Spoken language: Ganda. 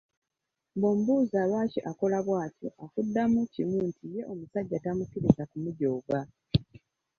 Bw'omubuuza lwaki akola bw’atyo akuddamu kimu nti ye omusajja tamukkiriza kumujooga.